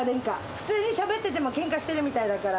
普通にしゃべってても、けんかしてるみたいだから。